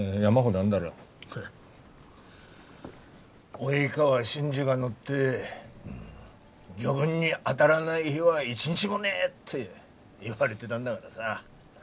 「及川新次が乗って魚群に当たらない日は一日もねえ！」って言われてたんだがらさ。